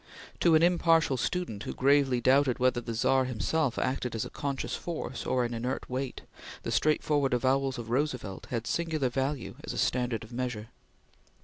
To an impartial student who gravely doubted whether the Czar himself acted as a conscious force or an inert weight, the straight forward avowals of Roosevelt had singular value as a standard of measure.